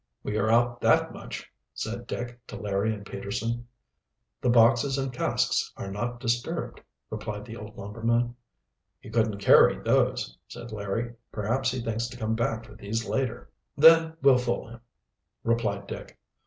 "We are out that much," said Dick to Larry and Peterson. "The boxes and casks are not disturbed," replied the old lumberman. "He couldn't carry those," said Larry. "Perhaps he thinks to come back for these later." "Then we'll fool him," replied Dick.